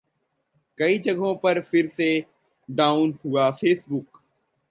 कई जगहों पर फिर से डाउन हुआ फेसबुक